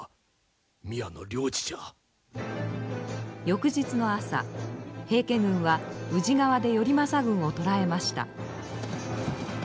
翌日の朝平家軍は宇治川で頼政軍を捉えました。